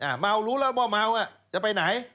อ่ะเมารู้แล้วว่าเมาจะไปไหน